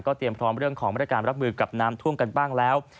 เตรียมพร้อมเรื่องของบริการรับมือกับน้ำท่วมกันบ้างแล้ว